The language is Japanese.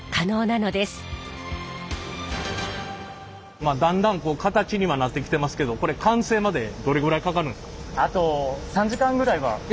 まあだんだんこう形にはなってきてますけどこれ完成までどれぐらいかかるんですか？